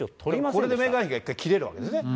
これでメーガン妃が一回、切れるわけですね。